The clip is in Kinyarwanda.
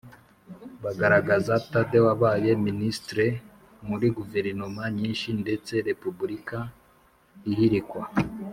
bagaragaza thaddée wabaye ministre muri guverinoma nyinshi ndetse repubulika ihirikwa,